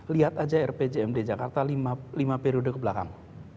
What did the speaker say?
lihat aja rpjmd jakarta lima periode kebelakang